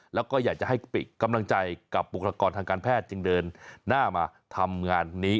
แล้วก็อยากจะให้กำลังใจกับบุคลากรทางการแพทย์จึงเดินหน้ามาทำงานนี้